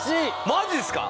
マジですか？